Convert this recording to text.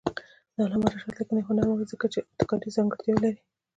د علامه رشاد لیکنی هنر مهم دی ځکه چې ابتکاري ځانګړتیاوې لري.